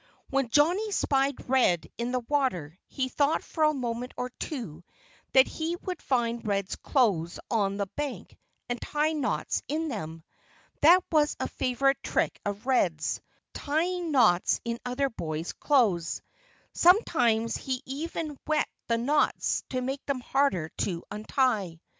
When Johnnie spied Red in the water he thought for a moment or two that he would find Red's clothes on the bank and tie knots in them. That was a favorite trick of Red's tying hard knots in other boys' clothes. Sometimes he even wet the knots, to make them harder to untie.